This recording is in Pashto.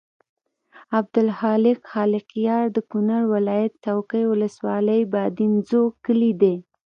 عبدالخالق خالقیار د کونړ ولایت څوکۍ ولسوالۍ بادینزو کلي دی.